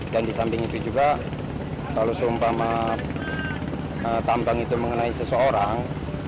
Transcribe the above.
dan di samping itu juga kalau sumpah tambang itu mengenai seseorang